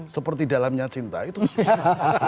seperti dalamnya cinta itu susah